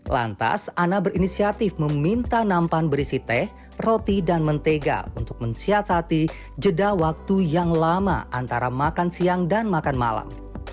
lantas ana berinisiatif meminta nampan berisi teh roti dan mentega untuk mensiasati jeda waktu yang lama antara makan siang dan makan malam